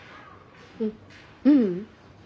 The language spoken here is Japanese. んううん。